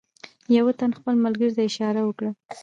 یوه تن خپل ملګري ته اشاره وکړه.